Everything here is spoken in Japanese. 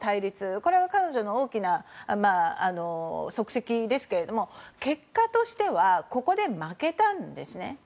これが彼女の大きな足跡ですが結果としてはここで負けたんですね。